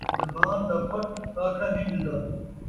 زبان دا پھٹ ساکھڑا نئیں ملدا